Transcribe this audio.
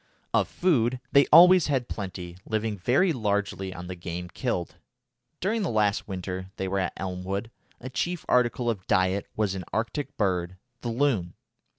Of food they always had plenty, living very largely on the game killed. During the last winter they were at Elmwood a chief article of diet was an Arctic bird, the loon.